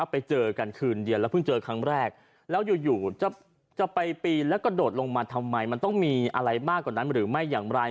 ไปเจอกันคืนเดียวแล้วเพิ่งเจอครั้งแรกแล้วอยู่จะไปปีนแล้วกระโดดลงมาทำไมมันต้องมีอะไรมากกว่านั้นหรือไม่อย่างไร